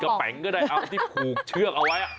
แป๋งก็ได้เอาที่ผูกเชือกเอาไว้